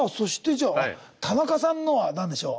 じゃあ田中さんのは何でしょう。